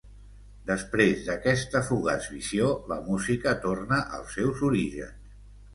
Després d'aquesta fugaç visió, la música torna als seus orígens.